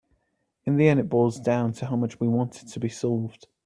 In the end it boils down to how much we want it to be solved.